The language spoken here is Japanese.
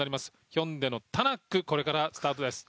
ヒョンデのタナックこれからスタートです。